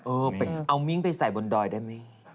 เอามิ้งไปใส่บนดอยได้ไหม